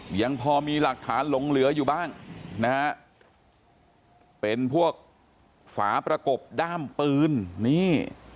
ยังพอมีหลักฐานหลงเหลืออยู่บ้างนะฮะเป็นพวกฝาประกบด้ามปืนนี่